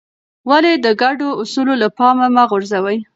ولې د ګډو اصولو له پامه مه غورځوې؟